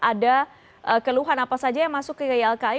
ada keluhan apa saja yang masuk ke ylki